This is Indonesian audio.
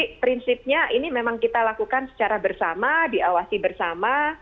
tapi prinsipnya ini memang kita lakukan secara bersama diawasi bersama